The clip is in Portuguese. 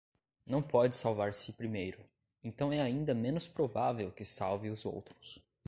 Não pode salvar-se primeiro, então é ainda menos provável que salve os outros